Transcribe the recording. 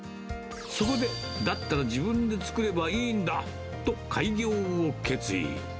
そこで、だったら自分で作ればいいんだと開業を決意。